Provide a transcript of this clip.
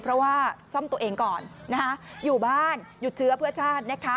เพราะว่าซ่อมตัวเองก่อนนะคะอยู่บ้านหยุดเชื้อเพื่อชาตินะคะ